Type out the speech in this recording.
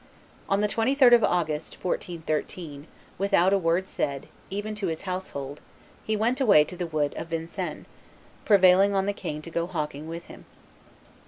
On the 23d of August, 1413, without a word said, even to his household, he went away to the wood of Vincennes, prevailing on the king to go hawking with him.